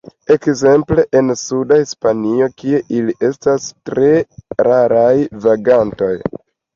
Ekzemple en suda Hispanio, kie ili estas tre raraj vagantoj.